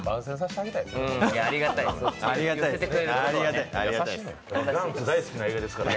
ありがたいですね。